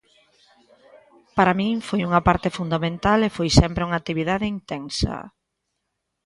Para min foi unha parte fundamental e foi sempre unha actividade intensa.